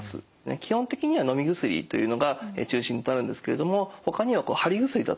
基本的にはのみ薬というのが中心となるんですけれどもほかにははり薬だとかですね